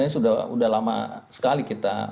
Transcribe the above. sudah lama sekali kita